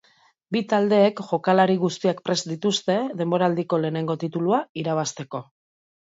Bi taldeek jokalari guztiak prest dituzte denboraldiko lehenengo titulua irabazteko.